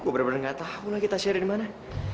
gue bener bener gak tau lagi tasya ada di mana